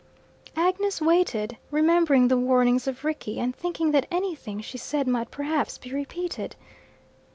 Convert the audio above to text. Agnes waited, remembering the warnings of Rickie, and thinking that anything she said might perhaps be repeated.